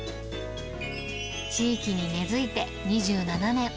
地域に根づいて２７年。